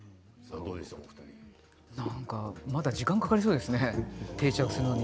まだ時間がかかりそうですね、定着するのに。